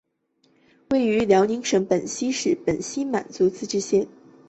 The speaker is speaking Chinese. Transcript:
位于辽宁省本溪市本溪满族自治县偏岭乡。